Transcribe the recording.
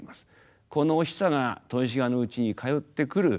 このお久が豊志賀のうちに通ってくる。